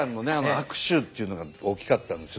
握手っていうのが大きかったんですよ